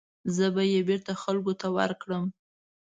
زه به یې بېرته خلکو ته ورکړم.